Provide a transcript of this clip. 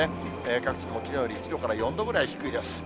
各地とも、きのうより１度から４度くらい低いです。